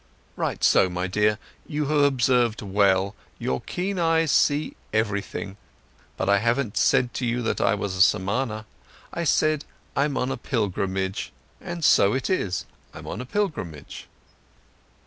"Right so, my dear, you have observed well, your keen eyes see everything. But I haven't said to you that I was a Samana. I said: I'm on a pilgrimage. And so it is: I'm on a pilgrimage."